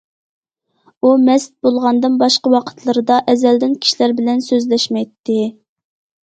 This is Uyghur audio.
ئۇ مەست بولغاندىن باشقا ۋاقىتلىرىدا ئەزەلدىن كىشىلەر بىلەن سۆزلەشمەيتتى.